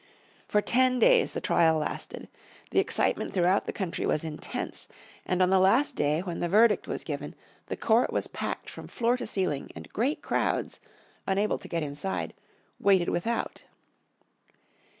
For ten days the trial lasted. The excitement throughout the country was intense, and on the last day when the verdict was given the court was packed from floor to ceiling, and great crowds, unable to get inside, waited without.